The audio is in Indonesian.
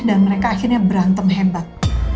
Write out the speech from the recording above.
dan mereka akhirnya berantem hebat